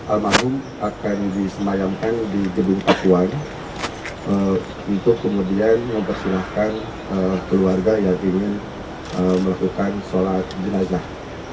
almarhum akan disemayamkan di gedung pakuan untuk kemudian mempersilahkan keluarga yang ingin melakukan sholat jenazah